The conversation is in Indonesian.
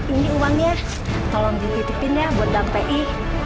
ini uangnya tolong dititipin ya buat bank pi